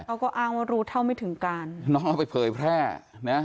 เขาก็อ้างว่ารู้เท่าไม่ถึงการน้องเอาไปเผยแพร่นะ